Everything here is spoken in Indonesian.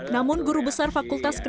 namun guru besar fakultas vaksin ini